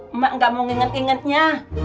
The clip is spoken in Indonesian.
emak nggak mau inget ingetnya